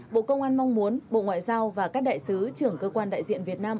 bộ công an mong muốn bộ ngoại giao và các đại sứ trưởng cơ quan đại diện việt nam